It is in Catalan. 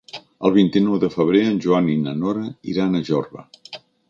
El vint-i-nou de febrer en Joan i na Nora iran a Jorba.